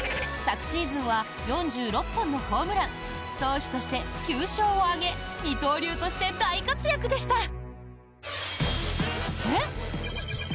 昨シーズンは４６本のホームラン投手として９勝を挙げ二刀流として大活躍でした。